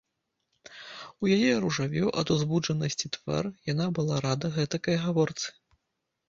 У яе ружавеў ад узбуджанасці твар, яна была рада гэтакай гаворцы.